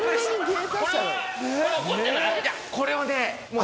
これはね。